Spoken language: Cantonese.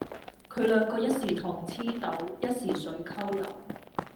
佢兩個一時糖黐豆，一時水摳油